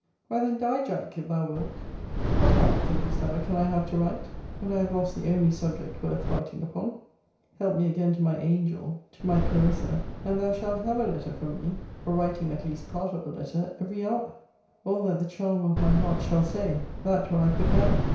Why, then, die, Jack, if thou wilt. What heart, thinkest thou, can I have to write, when I have lost the only subject worth writing upon? Help me again to my angel, to my CLARISSA; and thou shalt have a letter from me, or writing at least part of a letter, every hour. All that the charmer of my heart shall say, that will I put down.